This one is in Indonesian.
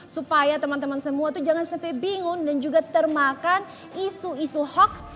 supaya teman teman semua tuh jangan sampai bingung dan juga termakan isu isu hoax